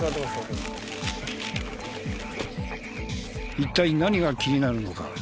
一体何が気になるのか？